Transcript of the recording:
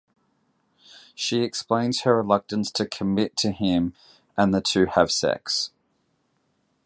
She explains her reluctance to commit to him and the two have sex.